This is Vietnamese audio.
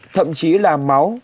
thậm chí là máu